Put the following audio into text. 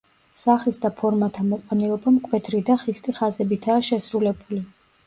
სახის და ფორმათა მოყვანილობა მკვეთრი და ხისტი ხაზებითაა შესრულებული.